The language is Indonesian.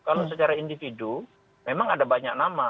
kalau secara individu memang ada banyak nama